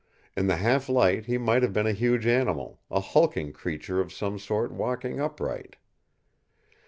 In the half light he might have been a huge animal, a hulking creature of some sort walking upright.